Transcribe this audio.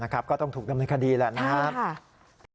ก็ต้องถูกดำเนินคดีแหละนะครับ